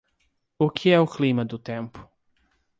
O que é o clima do tempo?